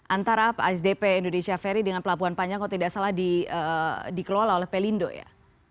antara asdp indonesia ferry dengan pelabuhan panjang kalau tidak salah dikelola oleh pelindo ya